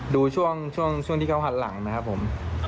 ดูช่วงที่เขาหันหลังนะครับผม